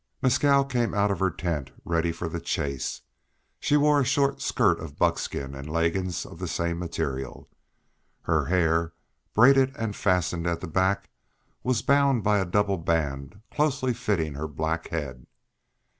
Mescal came out of her tent ready for the chase; she wore a short skirt of buckskin, and leggings of the same material. Her hair, braided, and fastened at the back, was bound by a double band closely fitting her black head.